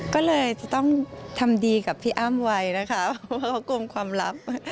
ก็เลยจะต้องทำดีกับพี่อ้ำไว้นะคะเพราะว่าเขาโกงความลับ